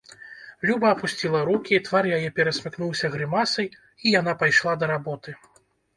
Люба апусціла рукі, твар яе перасмыкнуўся грымасай, і яна пайшла да работы.